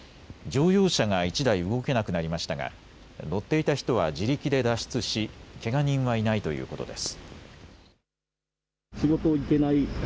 乗用車が１台動けなくなりましたが、乗っていた人は自力で脱出しけが人はいないということです。